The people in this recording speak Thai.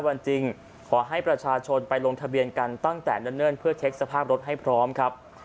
วันจริงขอให้ประชาชนไปลงทะเบียนกันตั้งแต่เนิ่นเพื่อเช็คสภาพรถให้พร้อมครับ